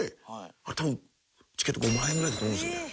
あれ多分チケット５万円ぐらいだと思うんですよね。